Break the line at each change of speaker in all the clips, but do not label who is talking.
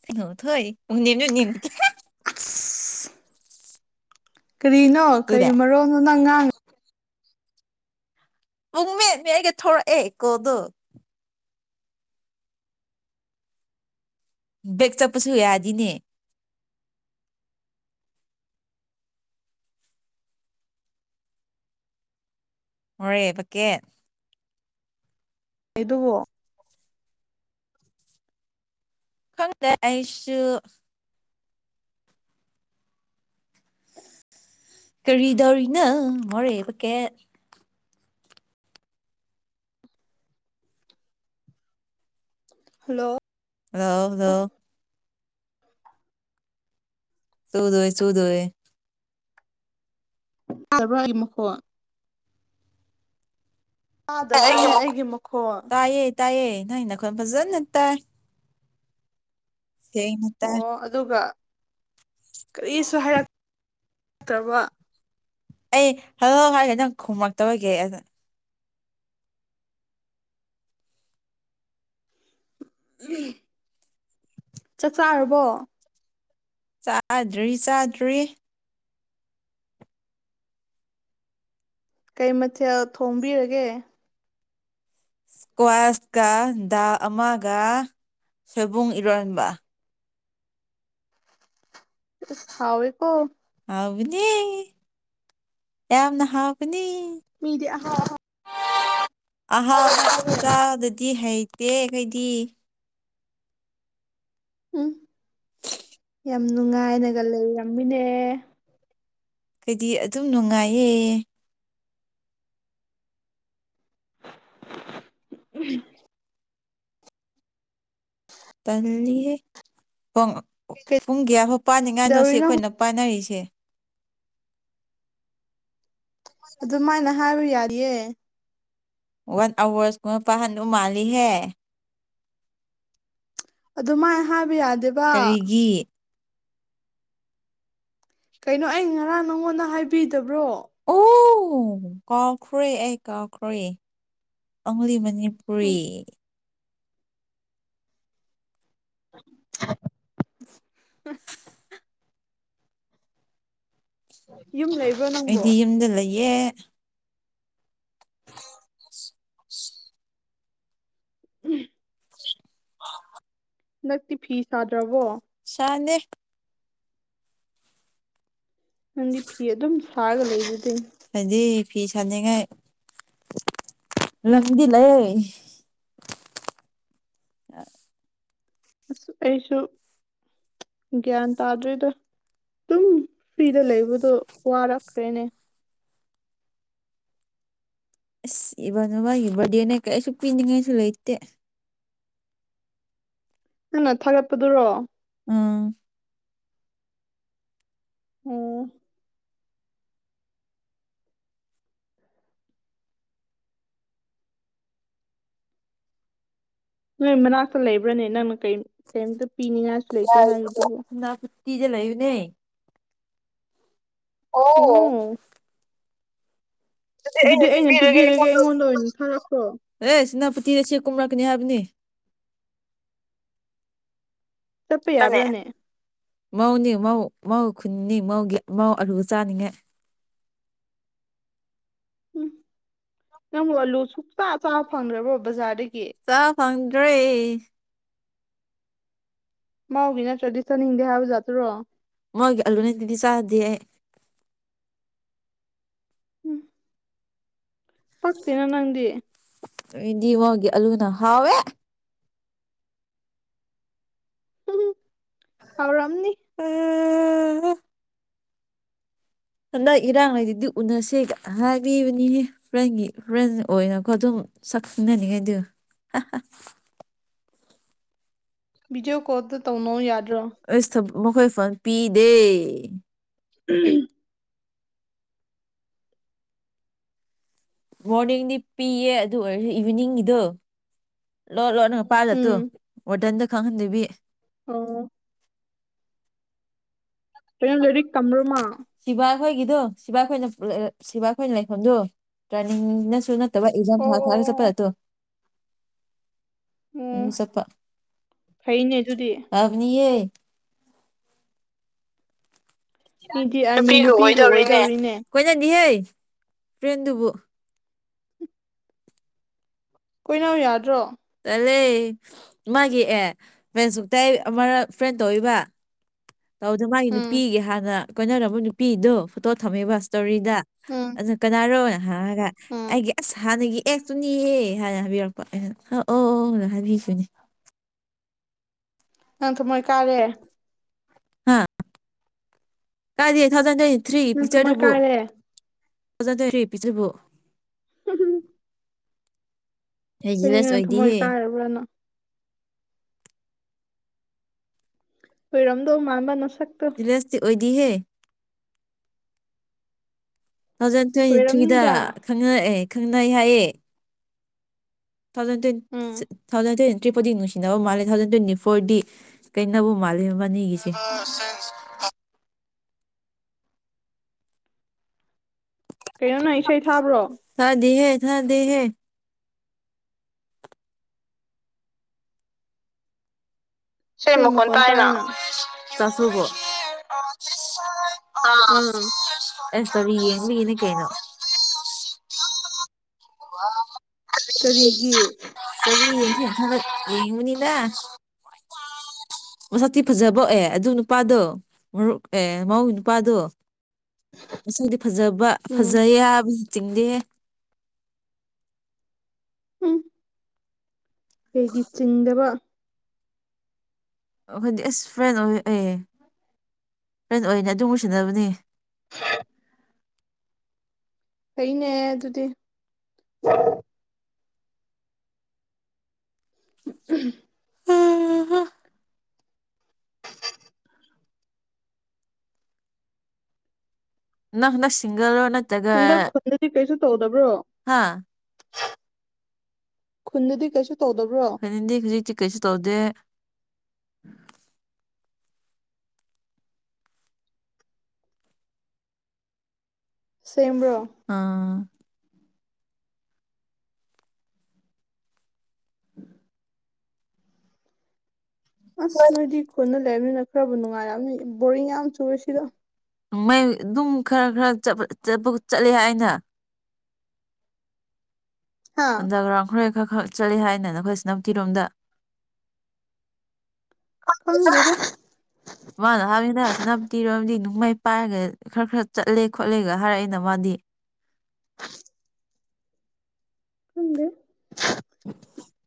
[inaudible] [unintelligible]
ꯑꯁ ꯀꯔꯤꯅꯣ ꯀꯩ
ꯇꯨꯗꯦ
ꯃꯔꯣꯜꯅꯣ ꯅꯪ ꯉꯥꯡꯉ
[unintelligible] ꯊꯣꯔꯛꯑꯦ ꯀꯣꯗꯨ꯫ ꯕꯦꯛ ꯆꯠꯄꯁꯨ ꯌꯥꯗꯤꯅꯦ꯫ ꯃꯣꯔꯦꯕꯀꯦ꯫
ꯑꯩꯗꯣ
ꯈꯪꯗꯦ ꯑꯩꯁꯨ ꯀꯔꯤꯗꯧꯔꯤꯅ ꯃꯣꯔꯦ ꯄꯦꯀꯦꯠ
ꯍꯜꯂꯣ꯫
Hello hello. ꯆꯨꯗꯣꯢꯌꯦ ꯆꯨꯗꯣꯏꯌꯦ꯫
[unintelligible] ꯇꯥꯗꯕ꯭ꯔꯅꯦ ꯑꯩꯒꯤ ꯃꯈꯣꯜ꯫
ꯇꯥꯏꯌꯦ ꯇꯥꯏꯌꯦ ꯅꯣꯢ ꯅꯈꯣꯜ ꯐꯖꯟꯅ ꯇꯥꯏ꯫ ꯁꯦꯡꯅ ꯇꯥꯢ꯫
ꯑꯣ ꯑꯗꯨꯒ ꯀꯔꯤꯁꯨ ꯍꯥꯏꯔꯛ ꯇꯕ [unintelligible]
ꯑꯩ ꯍꯜꯂꯣ ꯍꯥꯏꯒꯦ ꯅꯪ ꯈꯨꯝꯃꯛꯇꯕꯒꯤ ꯑꯗꯨꯅ
ꯆꯥꯛ ꯆꯥꯔꯕꯣ꯫
ꯆꯥꯗ꯭ꯔꯤ ꯆꯥꯗ꯭ꯔꯤ꯫
ꯀꯩ ꯃꯊꯦꯜ ꯊꯣꯡꯕꯤꯔꯒꯦ꯫
ꯏꯁꯀ꯭ꯋꯥꯁꯀ ꯗꯥꯜ ꯑꯃꯒ ꯁꯣꯏꯕꯨꯡ ꯏꯔꯣꯟꯕ꯫
ꯏꯁ ꯍꯥꯎꯋꯤꯀꯣ꯫
ꯍꯥꯎꯕꯅꯤ ꯌꯥꯕꯅ ꯍꯥꯥꯎꯕꯅꯤ꯫
ꯃꯤꯗꯤ ꯑꯍꯥꯎ ꯑꯍꯥꯎ
ꯑꯍꯥꯎꯕ ꯆꯥꯗꯗꯤ ꯍꯩꯇꯦ ꯑꯩꯩꯈꯣꯏꯗꯤ꯫
ꯎꯝ꯫ ꯌꯥꯝ ꯅꯨꯡꯉꯥꯏꯅꯒ ꯂꯩꯔꯝꯃꯤꯅꯦ꯫
ꯑꯩꯈꯣꯏꯗꯤ ꯑꯗꯨꯝ ꯅꯨꯡꯉꯥꯏꯌꯦ꯫ ꯇꯜꯂꯤꯍꯦ ꯄꯨꯡ ꯀꯌꯥꯐꯥꯎ ꯄꯥꯅꯤꯡꯉꯥꯏꯅꯣ ꯁꯤ
ꯀꯩꯗꯧꯔꯤꯅꯣ
ꯑꯩꯈꯣꯏꯅ ꯄꯥꯏꯅꯔꯤꯁꯦ꯫
ꯑꯗꯨꯃꯥꯏꯅ ꯍꯥꯏꯕ ꯌꯥꯗꯤꯌꯦ
ꯋꯥꯟ ꯑꯋꯥꯔꯁꯀꯨꯝꯕ ꯄꯍꯟꯗꯧ ꯃꯥꯜꯂꯤꯍꯦ꯫
ꯑꯗꯨ ꯃꯥꯏ ꯍꯥꯏꯕ ꯌꯥꯗꯦ꯫
ꯀꯔꯤꯒꯤ
ꯀꯩꯅꯣ ꯑꯩ ꯉꯔꯥꯡ ꯅꯪꯉꯣꯟꯗ ꯍꯥꯏꯕꯤꯗꯕ꯭ꯔꯣ꯫
ꯑꯣ ꯀꯥꯎꯈ꯭ꯔꯦ ꯑꯩ ꯀꯥꯎꯈ꯭ꯔꯦ ꯑꯪꯛꯂꯤ ꯃꯅꯤ
ꯎꯝ
ꯔꯤ [inaudible]
[inaudible] ꯌꯨꯝ ꯂꯩꯕ꯭ꯔꯣ ꯅꯪꯕꯣ
ꯑꯩꯗꯤ ꯌꯨꯝꯗ ꯂꯩꯌꯦ꯫
ꯎꯝ
[unintelligible]
ꯍꯟꯗꯛꯇꯤ ꯐꯤ ꯁꯥꯗ꯭ꯔꯕꯣ꯫
ꯁꯥꯅꯦ꯫
ꯅꯪꯗꯤ ꯐꯤ ꯑꯗꯨꯝ ꯁꯥꯔꯒ ꯂꯩꯗꯨꯗꯤ꯫
ꯍꯥꯏꯗꯤ ꯐꯤ ꯁꯥꯅꯤꯡꯉꯥꯏ ꯂꯪꯗꯤ ꯂꯩꯌꯦ꯫ [unintelligible]
ꯑꯁ ꯑꯩꯁꯨ ꯒ꯭ꯌꯥꯟ ꯇꯥꯗ꯭ꯔꯤꯗ꯫ ꯑꯗꯨꯝ ꯐ꯭ꯔꯤꯗ ꯂꯩꯕꯗꯣ ꯋꯥꯔꯛꯈ꯭ꯔꯦꯅꯦ꯫
ꯑꯁ ꯏꯕꯥꯅꯨꯕꯥꯒꯤ ꯕꯥꯔꯗꯦꯅꯦ ꯀꯩꯁꯨ ꯄꯤꯅꯤꯡꯉꯥꯏꯁꯨ ꯂꯩꯇꯦ꯫
ꯅꯪꯅ ꯊꯥꯒꯠꯄꯗꯨꯔꯣ꯫
ꯎꯝ
ꯎꯝ ꯅꯣꯏ ꯃꯅꯥꯛꯇ ꯂꯩꯕ꯭ꯔꯅꯦ ꯅꯪꯅ ꯀꯩ ꯀꯩꯝꯇ ꯄꯤꯅꯤꯡꯉꯥꯏ
ꯅꯥ ꯐꯨꯇꯤꯦ ꯂꯌꯨ ꯅ ꯑꯣ
ꯑꯗꯨꯗꯤ ꯑꯩꯅ ꯄꯤꯕꯤꯔꯒꯦ ꯑꯩꯉꯣꯟꯗ ꯑꯣꯏꯅ ꯊꯥꯔꯛꯈ꯭ꯔꯣ
[unintelligible] ꯑꯦꯁ ꯁꯦꯅꯥꯄꯇꯤꯗ ꯆꯦ ꯀꯨꯝꯔꯛꯀꯅꯤ ꯍꯥꯏꯕꯅꯤ꯫
ꯆꯠꯄ
ꯅꯅꯦ
ꯌꯥꯕ꯭ꯔꯅꯦ꯫
ꯃꯧꯅꯤ ꯃꯧ ꯃꯧ ꯈꯨꯟꯅꯤ ꯃꯧꯒꯤ ꯃꯧ ꯑꯔꯨ ꯆꯥꯅꯤꯡꯉꯦ꯫
ꯎꯝ ꯅꯪꯕꯨ ꯑꯂꯨ ꯁꯨꯛꯆꯥ ꯆꯥꯕ ꯐꯪꯗ꯭ꯔꯕꯣ ꯕꯖꯥꯔꯗꯒꯤ꯫
ꯆꯥ ꯐꯡꯗ꯭ꯔꯦ
ꯃꯥꯒꯤ ꯅꯠꯇ꯭ꯔꯗꯤ ꯆꯠꯅꯤꯡꯗꯦ ꯍꯥꯏꯕꯖꯥꯠꯇꯨꯔꯣ
ꯃꯣꯏꯒꯤ ꯑꯜꯂꯨꯅꯠꯇꯤꯗꯤ ꯆꯥꯗꯦ ꯑꯩ
ꯄꯥꯛꯇꯅ ꯅꯪꯗꯤ
ꯗꯤ ꯋꯥꯦ ꯑꯜꯨꯅ ꯍꯋꯦ
ꯎꯝ ꯍꯥꯎꯔꯝꯅꯤ
ꯎꯝ ꯍꯟꯗꯛ ꯏꯔꯥꯡꯉꯩꯗꯨꯗꯤ ꯎꯅꯁꯦꯒ ꯍꯥꯏꯕꯤꯕꯅꯤꯍꯦ ꯐ꯭ꯔꯦꯟꯒꯤ ꯐ꯭ꯔꯦꯟ ꯑꯣꯏꯅꯀꯣ ꯑꯗꯨꯝ ꯁꯛꯅꯅꯤꯡꯉꯥꯏꯗꯨ
ꯕꯤꯗꯤꯑꯣ ꯀꯣꯜꯗ ꯇꯧꯅꯧ ꯌꯥꯗ꯭ꯔꯣ
ꯑꯩꯁ ꯃꯈꯣꯏ ꯐꯣꯟ ꯄꯤꯗꯦ
ꯎꯝ
ꯃꯣꯔꯅꯤꯡꯗꯤ ꯄꯤꯌꯦ ꯑꯗꯨ ꯑꯣꯏꯔꯁꯨ ꯏꯚꯤꯅꯤꯡꯒꯤꯗꯣ ꯂꯣ ꯂꯣ ꯪ ꯄꯥꯏꯜꯂꯠꯇꯣ
ꯎꯝ
ꯑꯣꯇꯟꯗ ꯈꯪꯍꯟꯗꯕꯤ
ꯑꯣ ꯀꯩꯅꯣ ꯂꯩꯔꯤ ꯀꯝꯔꯃꯥ
ꯁꯤꯕꯥ ꯑꯩꯈꯣꯏꯒꯤꯗꯣ ꯁꯤꯕꯥ ꯑꯩꯈꯣꯏꯅ ꯁꯤꯕꯥ ꯑꯩꯈꯣꯏꯅ ꯂꯩꯐꯝꯗꯨꯣ ꯇ꯭ꯔꯥꯅꯤꯡꯅꯁꯨ ꯅ ꯊꯃ ꯏꯖꯥꯝ
ꯑꯣ
ꯊꯥ
ꯑꯣ
ꯊꯥꯒ
ꯑꯣ
ꯆꯄꯔꯠꯇꯣ ꯎ
ꯎꯝ
ꯆ
ꯐꯩꯅꯦ ꯑꯗꯨꯗꯤ
ꯑꯕꯅꯤꯌꯦ
ꯃꯤꯗꯤ ꯑꯥꯔꯃꯤ
ꯅꯨꯄꯤ ꯂ
ꯅꯨꯄꯤꯒ
ꯑꯣꯏꯗꯧꯔꯤꯅꯦ ꯀꯣꯏꯅꯗꯤꯍꯦ ꯐ꯭ꯔꯦꯟꯗꯨꯕꯨ
ꯀꯣꯏꯅꯥꯎ ꯌꯥꯗ꯭ꯔꯣ
ꯇꯂꯦ ꯃꯥꯒꯤ ꯑꯦ ꯐ꯭ꯔꯦꯟ ꯁꯛꯇꯥꯏ ꯑꯃ ꯐ꯭ꯔꯦꯟ ꯇꯧꯕ ꯇꯧꯗ ꯃꯥꯒꯤ
ꯎꯝ
ꯅꯨꯄꯤꯒꯤ ꯍꯥꯟꯅ ꯀꯣꯏꯅꯔꯝꯕ ꯅꯨꯄꯤꯗꯨꯣ ꯐꯣꯇꯣ ꯊꯝꯃꯦꯕ ꯏꯁꯇꯧꯔꯤꯗ
ꯎꯝ
ꯑꯗꯨ ꯀꯅꯥꯅꯣꯅ ꯍꯥꯏꯔꯒ
ꯎꯝ
ꯑꯩꯒꯤ ꯑꯁ ꯍꯥꯟꯅꯒꯤ ꯑꯦꯁꯛꯇꯨꯅꯤꯍ ꯍꯥꯏꯅ ꯍꯥꯏꯕꯤꯔꯛꯄ ꯑꯩꯅ ꯍ ꯍꯥꯏꯕꯤꯁꯤꯅꯦ
ꯅꯪ ꯊ ꯃꯣꯏ ꯀꯥꯔꯦ
ꯑ ꯀꯥꯏꯗ ꯊꯥꯎꯖꯟ ꯇ꯭ꯋꯦꯟꯇꯤ ꯊ꯭ꯔꯤ
ꯅꯪ ꯊꯃꯣꯏ
ꯄꯤꯛꯆꯗꯨꯕꯨ
ꯀꯥꯏꯔꯦ
ꯑꯣꯖꯗꯔꯦ ꯄꯗꯕꯣ ꯍꯦ
ꯁꯤꯗꯤ
ꯖꯤꯂꯁ
ꯅꯪ ꯊꯃꯣꯏ
ꯑꯣꯏꯗꯤꯍꯦ
ꯀꯥꯏꯔꯕ꯭ꯔꯥꯅ ꯑꯣꯏꯣꯏꯔꯝꯗꯣ ꯃꯥꯡꯥꯟꯕ ꯅ ꯁꯛꯇ
ꯗ꯭ꯔꯦꯁꯇꯤ ꯑꯣꯏꯗꯤꯍꯦ ꯇ ꯊꯥꯎꯖꯟ ꯇ꯭ꯋꯦꯟꯇꯤ ꯊ꯭ꯔꯤꯗ
ꯑꯣꯏꯔꯝꯅꯤꯗ
ꯈꯪꯅꯔꯑꯦ ꯈꯪꯅꯩ ꯍꯥꯏꯌꯦꯦ ꯊꯥꯎꯖꯟ ꯇꯦꯟ
ꯎꯝ
ꯊꯥꯎꯖꯟ ꯇꯦꯟ ꯇ꯭ꯔꯤꯄꯨꯗꯤꯡ ꯅꯨꯡꯁꯤꯅꯕ ꯃꯥꯜꯂꯦ ꯊꯥꯎꯖꯟ ꯇ꯭ꯋꯦꯟꯇꯤ ꯐꯣꯔꯗꯤ ꯀꯩꯅꯕꯨ ꯃꯥꯜꯂꯦ ꯃꯅꯤꯒꯤꯁꯦ
ꯀꯩꯅꯣ ꯅꯪ ꯏꯁꯩ ꯊꯥꯕ꯭ꯔꯣ
ꯊꯗꯤꯦꯍꯦ ꯊꯗꯤꯦꯍꯦ
ꯏꯁꯩ
ꯁꯤꯃꯀꯣꯟ
ꯃꯈꯣꯟ
ꯇꯥꯏꯅ ꯆꯁꯨꯒꯣ ꯑ
ꯑꯥ
ꯑꯦ ꯌꯦꯡꯅ ꯀꯩꯅꯣ
ꯀꯔꯤꯒꯤ
ꯀ ꯌꯦ ꯊꯃ ꯌꯦꯉꯉꯅꯤꯗ ꯃꯁꯇꯤ ꯐꯖꯕ ꯑꯦ ꯑꯗꯨ ꯅꯨꯄꯥꯗꯣ ꯃꯔꯨꯞ ꯑꯦ ꯃꯧꯒꯤ ꯅꯨꯄꯥꯗꯣ ꯉꯁꯥꯏꯗꯤ ꯐꯖꯕ
ꯎꯝ
ꯐꯖ ꯌꯥꯕꯁꯨ ꯆꯤꯡꯗꯦ
ꯎꯝ ꯀꯩꯒꯤ ꯆꯤꯡꯗꯕ
ꯑꯩꯈꯣꯏꯗꯤ ꯑꯁ ꯐ꯭ꯔꯦꯟ ꯑꯣꯏ ꯑꯦ ꯐ꯭ꯔꯦꯟ ꯑꯣꯏꯅꯤ ꯑꯗꯨꯕꯨꯨ ꯁꯤꯟꯅꯅꯕꯅꯦ
ꯀꯩꯅꯦ ꯑꯗꯨꯗꯤ ꯎ
ꯅꯪ ꯁꯤꯁꯤꯡꯒꯔ ꯅ
ꯍꯟꯗꯛ ꯈꯨꯟꯗꯗꯤ ꯀꯩꯁꯨ ꯇꯧꯗꯕ꯭ꯔꯣ
ꯍꯥ
ꯈꯨꯟꯗꯗꯤ ꯀꯩꯁꯨ ꯇꯧꯗꯕ꯭ꯔꯣ
ꯐꯅꯗꯤ ꯍꯧꯖꯤꯛꯇꯤ ꯀꯩꯁꯨ ꯇꯧꯗꯦ
ꯁꯦꯡꯕ꯭ꯔꯣ
ꯑꯥ [inaudible]
ꯑꯁ ꯅꯣꯏꯗꯤ ꯈꯨꯅ ꯂꯩꯕꯅꯤꯅ ꯈꯔꯕꯨ ꯅꯨꯡꯉꯥꯏꯔꯅꯤ ꯕꯔꯤꯡ ꯌꯥꯝ ꯆꯨꯔꯦ ꯁꯤꯗꯣ
ꯃ ꯑꯗꯨꯝ ꯈꯔ ꯈꯔ ꯆꯠꯄ ꯆꯠꯂꯦ ꯍꯥꯏꯅ
ꯍꯥ
ꯑꯟꯗꯔꯒ꯭ꯔꯥꯎꯟ ꯈꯔ ꯈꯔ ꯈꯔ ꯆꯠꯂꯤ ꯍꯥꯏꯅ ꯑꯩꯈꯣꯏ ꯁꯤ ꯅꯝꯇꯤꯔꯣꯝꯗ
ꯀꯪꯗꯦꯗ
ꯃꯥꯅ ꯍꯥꯏꯃꯤꯗꯁꯤꯅ ꯇꯤꯔꯨꯔꯕꯗꯤ ꯅꯅꯨꯡꯃꯩ ꯄꯥꯏꯔꯒ ꯈꯔꯥ ꯈꯔꯥ ꯆꯠꯂꯦ ꯈꯣꯠꯂꯦꯒ ꯍꯥꯏꯔꯛꯑꯏꯅ ꯃꯥꯗꯤ
[unintelligible] ꯈꯪꯗꯦ
[unintelligible]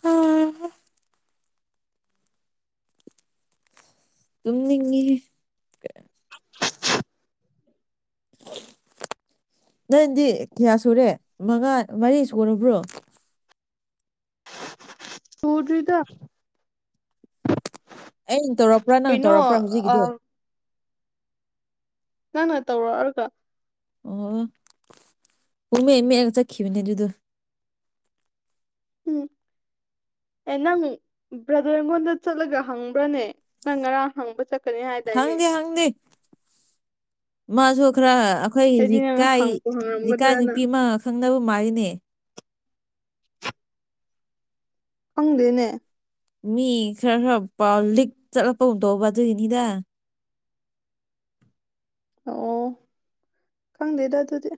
ꯍꯥꯍꯥ [unintelligible] ꯇꯨꯝꯅꯤꯉꯥ ꯅꯪꯗꯤ ꯀꯤꯌꯥ ꯁꯨꯔꯦ ꯃꯉꯥ ꯃꯔꯤ ꯁꯨꯔꯕ꯭ꯔꯣ
ꯇꯔꯤꯗ
ꯑꯩꯅ ꯇꯧꯔꯛꯄ꯭ꯔꯥ ꯅꯪ ꯇꯧꯔꯛꯄ꯭ꯔꯥ ꯍꯧꯖꯤꯛꯀꯤꯗꯤ
ꯅ ꯅ ꯇꯧꯔꯣꯑꯔꯒ
ꯑꯣ ꯎꯃꯦ ꯃ ꯆꯈꯈꯤꯕꯕꯅꯦ ꯑꯗꯨꯗ
ꯎꯝ ꯑꯦ ꯅꯪ ꯕ꯭ꯔꯗꯔꯉꯣꯟꯗ ꯆꯠꯂꯒ ꯍꯪꯕ꯭ꯔꯅꯦ ꯅꯪ ꯉꯔꯥꯡ ꯍꯪꯕ ꯆ
ꯍꯪꯗꯦ ꯍꯪꯗꯦ ꯃꯥꯁꯨꯣꯈ꯭ꯔꯥ ꯑꯩꯈꯣꯏ
ꯑꯩꯗꯤ ꯅꯪ
ꯂꯩꯔꯤꯀꯥꯏ
ꯍꯪꯕꯨ
ꯂꯩꯔꯤꯀꯥꯏ
ꯍꯪꯉꯝꯒꯗ꯭ꯔꯅ
ꯅꯨꯄꯤ ꯑꯃ ꯈꯪꯅꯕ ꯃꯥꯔꯤꯅꯦ
ꯐꯪꯗꯅꯦ
ꯃꯤ ꯈꯔꯥ ꯈꯔꯥ ꯄꯥꯎ ꯂꯤꯛ ꯆꯠꯂꯛ ꯄꯒꯨꯝ ꯇꯧꯕ ꯑꯗꯨꯒꯤꯅꯤꯗ
ꯑꯣ ꯈꯪꯗꯦꯗ ꯑꯗꯨꯗꯤ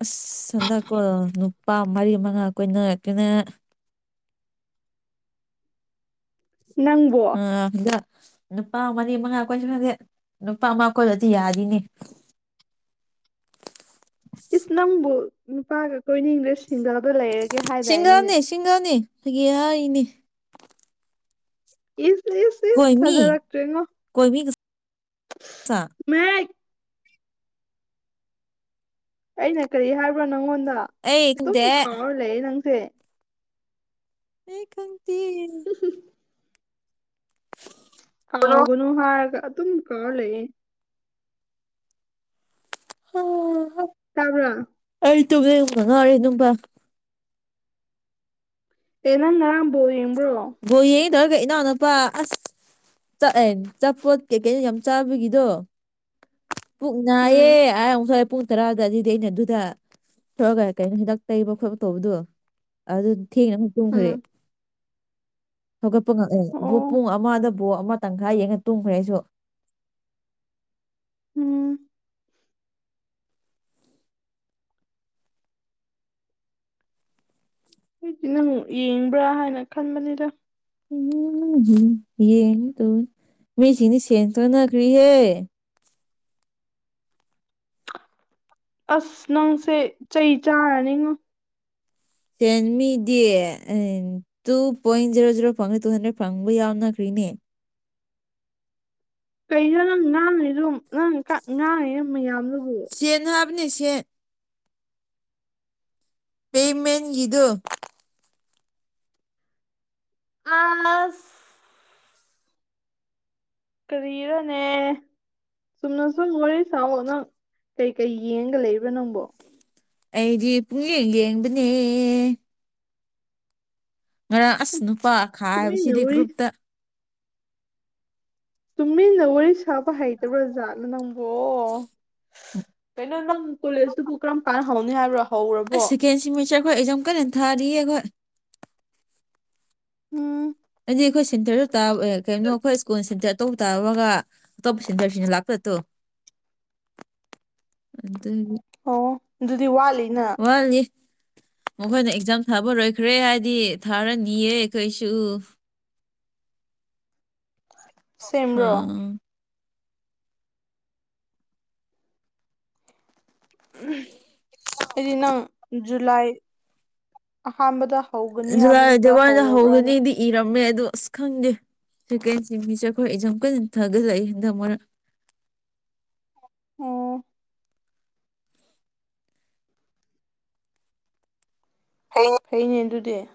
ꯑꯁ ꯍꯟꯗꯛꯀꯣ ꯅꯨꯄꯥ ꯃꯔꯤ ꯃꯉꯥ ꯀꯨꯏꯅ ꯔꯨꯛꯇꯅ
ꯅꯪꯕꯣ
ꯟꯗ ꯅꯨꯄꯥ ꯃꯔꯤ ꯃꯉꯥ ꯀꯣꯏꯁꯨ ꯈꯗꯦ ꯅꯨꯄꯥ ꯑꯃ ꯀꯣꯏꯕꯗꯤ ꯌꯥꯔꯤꯅꯤ
ꯏꯁ ꯅꯝꯕꯨ ꯅꯨꯄꯥꯒ ꯀꯣꯏꯅꯤꯡꯗ ꯁꯤꯡꯗꯗ ꯂꯩꯔꯒꯦ ꯍꯥꯏꯗꯅꯏꯅꯤꯅꯦ
ꯁꯤꯡꯒꯅꯦ ꯐꯥꯒꯤ ꯍꯥꯏꯔꯤꯅꯦ
ꯏꯁ ꯏꯁ ꯏꯁ
ꯀꯣꯏꯃꯤ
ꯊꯥꯖꯔꯛꯇ꯭ꯔꯦꯉꯣ
ꯀꯣꯏꯃꯤ ꯀꯁꯥ,
ꯃꯥ ꯑꯩꯅ ꯀꯔꯤ ꯍꯥꯏꯕ꯭ꯔꯣ ꯅꯪꯉꯣꯟꯗ
ꯑꯩ
ꯑꯗꯨꯝ
ꯈꯪꯗꯦ
ꯀꯥꯎꯔ ꯂꯩ ꯅꯪꯁꯦ
ꯑꯩ ꯈꯪꯗꯦꯌꯦ
ꯀꯥꯎꯒꯨꯅꯨ ꯍꯥꯏ ꯑꯗꯨꯝ ꯀꯥꯎꯔꯒꯥ ꯂꯩꯔꯦ
[unintelligible]
ꯇꯥꯕ꯭ꯔ
ꯑꯩ ꯇꯨꯝꯅꯨꯪꯕꯅꯥ ꯉꯥꯑꯣꯔꯦ ꯅꯨꯄꯥ
ꯑꯦ ꯅꯪ ꯉꯔꯥꯡꯕ ꯌꯦꯡꯕ꯭ꯔꯣ
ꯕꯥꯜꯂ ꯌꯦꯡꯗꯔꯒꯦ ꯇꯥꯔꯒꯥ ꯏꯅꯥꯎ ꯅꯄꯥ ꯑꯁ ꯆꯥꯛꯂꯦ ꯆꯥꯄꯣꯠ ꯀꯩꯀꯩꯅꯣ ꯌꯥꯝ ꯆꯥꯕꯒꯤꯗꯣ ꯄꯨꯡ
ꯎꯝ
ꯅꯥꯏꯌꯦ ꯑ ꯑꯃꯨꯛꯁꯨ ꯍꯥꯏ ꯄꯨꯡ ꯇꯔꯥꯗ ꯑꯗꯨꯏꯗꯤ ꯑꯩꯅ ꯑꯗꯨꯗ ꯊꯔꯒ ꯀꯩꯅꯣ ꯍꯤꯗꯥꯛ ꯇꯩꯕ ꯈꯣꯠꯄ ꯇꯧꯕꯗꯣ ꯑꯗꯨ ꯊꯦꯡꯅ ꯑꯃꯨꯛ ꯇꯣꯡꯈ꯭ꯔꯦ
ꯎꯝ
ꯍꯧꯒꯠꯄ ꯉꯛꯅ ꯕꯥꯜꯂ
ꯑꯣ
ꯄꯨꯡ ꯑꯃꯗ ꯕꯥꯜꯂ ꯑꯃ ꯇꯪꯈꯥꯏ ꯌꯦꯡꯉ ꯇꯨꯝꯈ꯭ꯔꯦ ꯑꯩꯁꯨ
ꯎꯝ ꯑꯩꯗꯤ ꯅꯪꯛ ꯌꯦꯡꯕ꯭ꯔꯥ ꯍꯥꯏꯅ ꯈꯟꯕꯅꯤꯗ
ꯎꯝ ꯍꯨꯃ ꯍꯌꯦ ꯇꯣ ꯃꯤꯁꯤꯅꯤ ꯁꯦꯟꯇꯔꯅꯅꯥꯈꯔꯤ ꯍꯦ
ꯑꯁ ꯅꯪꯁꯦ ꯆꯩ ꯆꯥꯔꯅꯤꯉꯣ
ꯆꯦꯟꯃꯤꯗꯤ ꯎꯝ ꯇꯨ ꯄꯣꯏꯟ ꯖꯦꯔꯣ ꯖꯦꯔꯣ ꯐꯪꯉꯦ ꯇꯨ ꯍꯟꯗ꯭ꯔꯦꯗ ꯐꯪꯕ ꯌꯥꯎꯅꯈ꯭ꯔꯤꯅꯦ
ꯀꯩꯗꯣ ꯅꯪ ꯉꯥꯡꯉꯤꯔꯣ ꯅꯪ ꯉꯥꯡꯉꯤꯔꯥ ꯃꯌꯥꯝꯗꯨꯕꯨ
ꯁꯦꯠ ꯍꯥꯏꯕꯅꯦ ꯁꯦꯠ ꯄꯦꯃꯦꯟ ꯌꯦꯗ
ꯑꯁ ꯀꯔꯣꯅꯦ ꯆꯨꯝꯅꯁꯨꯨꯝ ꯌꯥꯔꯦ ꯁꯥꯎ ꯅꯪ ꯀꯩꯀꯩ ꯌꯦꯡꯒ ꯂꯩꯕ꯭ꯔꯥ ꯅꯪꯕꯣ
ꯑꯩꯗꯤ ꯄꯨꯛꯅꯤꯡ ꯌꯦꯡꯕꯅꯦ ꯉꯔꯥꯡ ꯑꯁ ꯅꯨꯄꯥ
ꯇꯨꯃꯤꯟꯅ
ꯈꯥꯏꯕꯁꯤꯗꯤ
ꯋꯥꯔꯤ
ꯒ꯭ꯔꯨꯞꯇ
ꯇꯨꯃꯤꯟꯅ ꯋꯥꯔꯤ ꯁꯥꯕ ꯍꯩꯇꯕ꯭ꯔꯖꯥꯠꯅ ꯅꯪꯕꯣ ꯀꯩꯅꯣ ꯅꯪ ꯀꯣꯂꯦꯖꯇꯨꯕꯨ ꯀꯔꯝ ꯀꯥꯟꯅ ꯍꯧꯅꯤ ꯍꯥꯏꯕ꯭ꯔꯣ ꯍꯧꯔꯕꯣ
ꯁꯦꯀꯦꯟ ꯁꯤꯃꯤꯁꯇꯔ ꯒꯤ ꯑꯦꯛꯖꯥꯝ ꯀꯟꯅꯥ ꯊꯔꯤꯌꯦ ꯑꯈꯣꯏ
ꯎꯝ
ꯍꯥꯏꯗꯤ ꯑꯩꯈꯣꯏ ꯁꯦꯟꯇꯔꯗ ꯇꯥ ꯀꯩꯅꯣ ꯑꯩꯈꯣꯏ ꯁ꯭ꯀꯨꯜꯇ ꯑꯇꯣꯞꯄ ꯇꯥꯑꯒ ꯑꯇꯣꯞꯄ ꯁꯤꯗꯔꯁꯤꯅ ꯂꯥꯛꯄꯗꯠꯇꯣ [unintelligible]
ꯑꯣ ꯑꯗꯨꯗꯤ ꯋꯥꯠꯂꯤꯅ
ꯌꯠꯂꯤ ꯃꯈꯣꯏꯅ ꯑꯦꯛꯖꯥꯝ ꯊꯥꯕ ꯂꯣꯏꯈ꯭ꯔꯦ ꯍꯥꯏꯗꯤ ꯊꯥꯔꯅꯤꯌꯦ ꯑꯩꯈꯣꯏꯁꯨ
ꯁꯦꯝꯕ꯭ꯔꯣ
[unintelligible]
ꯑꯩꯗꯤ ꯅꯪ ꯖꯨꯂꯥꯏ ꯑꯍꯥꯟꯕꯗ ꯍꯧꯒꯅꯤ
ꯖꯨꯂꯥꯏ
ꯍꯥꯏꯕꯗꯨꯗꯣ
ꯗꯦꯋꯥꯏꯗ
ꯍꯧꯔꯕ꯭ꯔꯅ
ꯍꯧꯒꯅꯤꯗꯤ ꯏꯔꯝꯃꯦ ꯑꯗꯣ ꯑꯁ ꯈꯪꯗꯦ ꯁꯦꯀꯦꯟ ꯃꯤꯁꯦ ꯑꯩꯈꯣꯏ ꯑꯦꯛꯖꯥꯝ ꯀꯖ ꯊꯥꯒꯠꯂꯛꯏ ꯍꯟꯗꯛ ꯃꯣꯏꯅ
ꯑꯣ
[unintelligible]
ꯍꯩꯅꯦ ꯑꯗꯨꯗꯤ